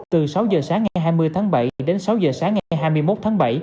từ sáu giờ sáng ngày hai mươi tháng bảy đến sáu giờ sáng ngày hai mươi một tháng bảy